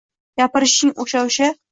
Gapirishing o`sha-o`sha